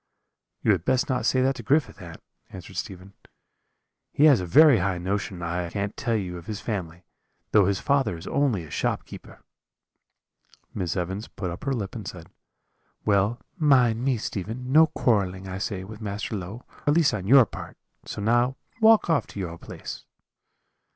"'You had best not say that to Griffith, aunt,' answered Stephen; 'he has a very high notion, I can tell you, of his family, though his father is only a shopkeeper.' "Miss Evans put up her lip and said: "'Well, mind me, Stephen, no quarrelling, I say, with Master Low, at least on your part; so now walk off to your place.'